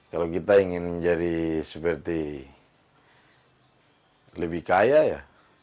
kalau kita ingin menjadi seperti lebih kaya ya